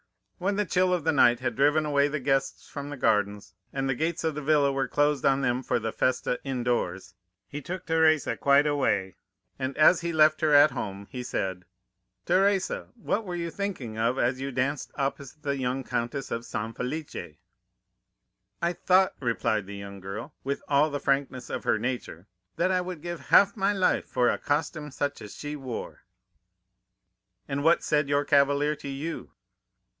When the chill of the night had driven away the guests from the gardens, and the gates of the villa were closed on them for the festa in doors, he took Teresa quite away, and as he left her at her home, he said: "'Teresa, what were you thinking of as you danced opposite the young Countess of San Felice?' "'I thought,' replied the young girl, with all the frankness of her nature, 'that I would give half my life for a costume such as she wore.' "'And what said your cavalier to you?